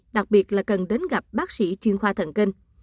đặc biệt là cần đến gặp bác sĩ chuyên khoa thần kinh